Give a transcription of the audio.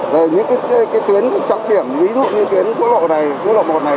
rồi những cái tuyến trọng điểm ví dụ như tuyến quốc lộ này quốc lộ một này